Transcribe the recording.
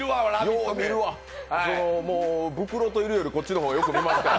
もう、ブクロといるよりこっちの方がよく見ます。